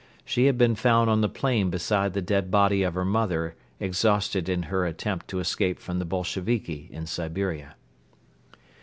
She had been found on the plain beside the dead body of her mother exhausted in her attempt to escape from the Bolsheviki in Siberia.